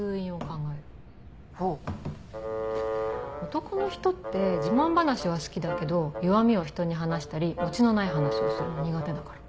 男の人って自慢話は好きだけど弱みをひとに話したりオチのない話をするの苦手だから。